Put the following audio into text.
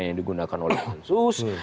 yang digunakan oleh pansus